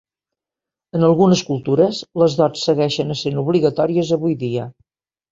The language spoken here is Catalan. En algunes cultures, les dots segueixen essent obligatòries avui dia.